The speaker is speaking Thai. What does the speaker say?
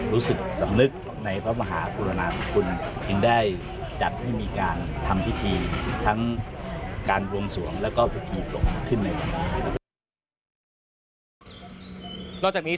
รู้สึกสำนึกในพระมหาภุรณาบุคคลถึงได้จัดที่มีการทำพิธีทั้งการวงสวงและก็พฤติฝรกขึ้นในวันนี้